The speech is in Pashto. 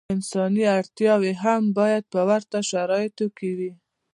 انساني اړتیاوې یې هم باید په ورته شرایطو کې وي.